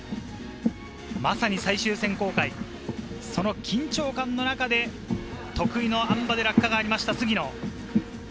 まさに最終選考会、その緊張感の中で得意のあん馬で落下がありました、杉野。